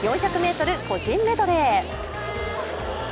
４００ｍ個人メドレー。